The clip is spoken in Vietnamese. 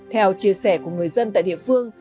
theo chia sẻ của người dân tại địa phương